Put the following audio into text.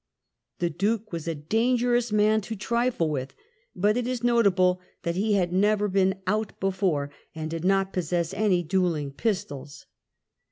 The Duke was a dangerous man to trifle with, but it is notable that he had never been " out " before, and did not possess any duelling pistols.